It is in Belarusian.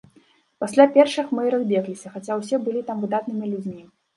Пасля першых мы і разбегліся, хаця ўсе былі там выдатнымі людзьмі.